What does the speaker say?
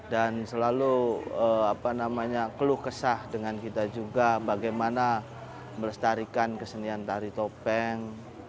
dan selalu apa namanya keluh kesah dengan kita juga bagaimana melestarikan kesenian tari topeng